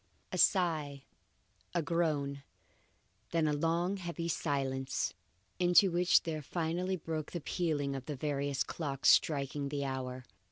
A sigh, a groan, then a long and heavy silence, into which there finally broke the pealing of the various clocks striking the hour.